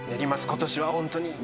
今年は本当に。